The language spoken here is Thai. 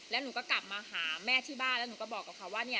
แล้วหนูก็กลับมาหาแม่ที่บ้านแล้วหนูก็บอกกับเขาว่าเนี่ย